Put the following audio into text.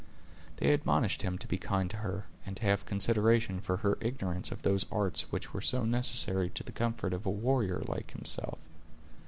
They admonished him to be kind to her, and to have consideration for her ignorance of those arts which were so necessary to the comfort of a warrior like himself.